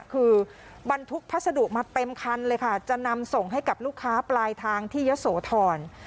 คือบรรทุกพัสดุมาเต็มคันเลยค่ะจะนำส่งให้กับลูกค้าปลายทางที่ยะโสธร